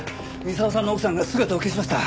三沢さんの奥さんが姿を消しました。